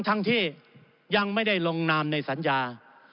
ทั้งที่ยังไม่ได้ลงนามในสัญญา